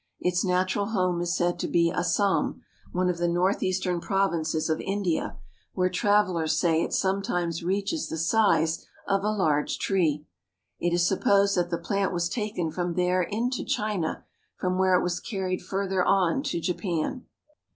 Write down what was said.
Its natural home is said to be Assam, one of the north eastern provinces of India, where travelers say it some times reaches the size of a large tree. It is supposed that the plant was taken from there into China, from where it was carried farther on to Japan.